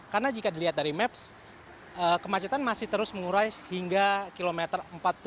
karena jika dilihat dari maps kemacetan masih terus mengurai hingga kilometer empat puluh dua